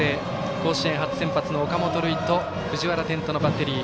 甲子園初先発の岡本琉奨と藤原天斗のバッテリー。